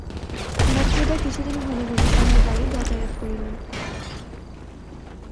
মোক্ষদা কিছুদিন ঘন ঘন তাঁহার বাড়ি যাতায়াত করিলেন।